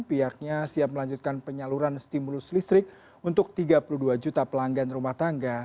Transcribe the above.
pihaknya siap melanjutkan penyaluran stimulus listrik untuk tiga puluh dua juta pelanggan rumah tangga